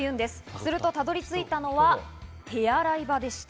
するとたどり着いたのは、手洗い場でした。